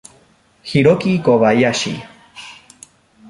Hiroki Kobayashi